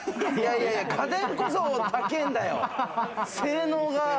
いやいや、家電こそ高ぇんだよ。